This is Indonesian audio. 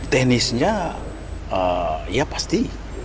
teknisnya ya pasti